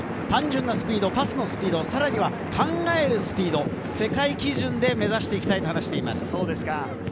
単純なスピード、パスのスピード、さらには考えるスピード、世界基準で目指していきたいと話しています。